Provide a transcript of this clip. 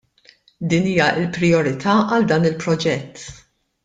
Din hija l-prijorità għal dan il-proġett.